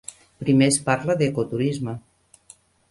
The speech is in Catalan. Primer es parla d'ecoturisme.